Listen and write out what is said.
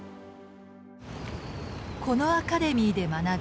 このアカデミーで学び